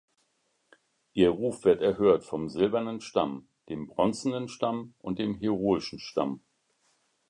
Ihr Ruf wird erhört vom "silbernen Stamm", dem "bronzenen Stamm" und dem "heroischen Stamm".